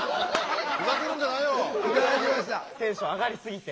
テンション上がりすぎて。